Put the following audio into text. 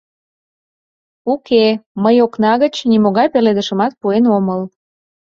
Уке-е, мый окна гыч нимогай пеледышымат пуэн омыл.